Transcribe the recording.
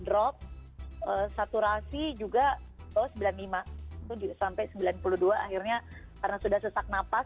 drop saturasi juga sembilan puluh lima itu sampai sembilan puluh dua akhirnya karena sudah sesak napas